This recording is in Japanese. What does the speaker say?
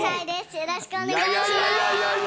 よろしくお願いします。